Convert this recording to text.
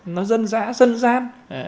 nó dân dã dân gian